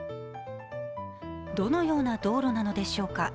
どのような道路なのでしょうか。